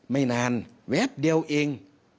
ไม่นานแวบเดียวเอง